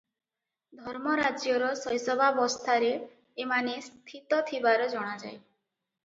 ଧର୍ମରାଜ୍ୟର ଶୈଶବାବସ୍ଥାରେ ଏମାନେ ସ୍ଥିତ ଥିବାର ଜଣାଯାଏ ।